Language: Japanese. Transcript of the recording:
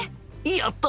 やった！